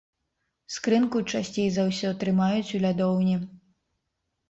Скрынку, часцей за ўсё, трымаюць у лядоўні.